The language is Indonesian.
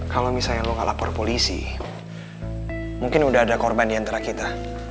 kalau misalnya lu gak lapor ke polisi mungkin udah ada korban diantara kita